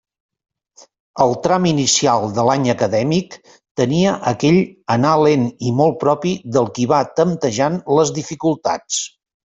El tram inicial de l'any acadèmic tenia aquell anar lent i molt propi del qui va temptejant les dificultats.